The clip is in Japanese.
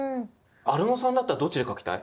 アルノさんだったらどっちで書きたい？